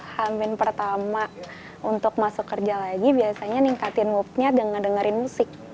hamin pertama untuk masuk kerja lagi biasanya ningkatin moodnya dengan dengerin musik